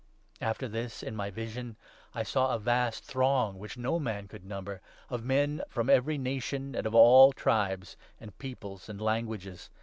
After this, in my vision, I saw a vast throng which no man 9 could number, of men from every nation and of all tribes, and peoples, and languages.